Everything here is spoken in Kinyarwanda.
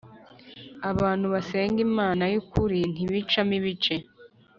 Abantu basenga Imana by ukuri ntibicamo ibice